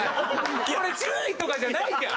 これ注意とかじゃないじゃん！